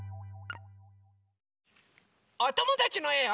おともだちのえを。